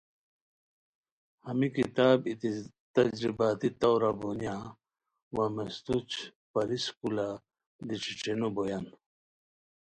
ہمی کتاب ای تجرباتی طورا بونیہ وا مستوج پری سکولا دی ݯھیݯھینو بویان